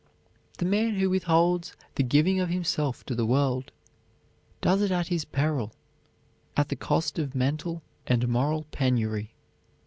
The man who withholds the giving of himself to the world, does it at his peril, at the cost of mental and moral penury.